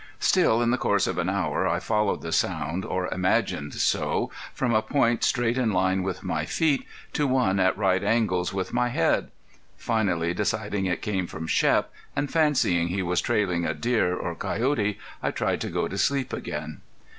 Still, in the course of an hour, I followed the sound, or imagined so, from a point straight in line with my feet to one at right angles with my head. Finally deciding it came from Shep, and fancying he was trailing a deer or coyote, I tried to go to sleep again.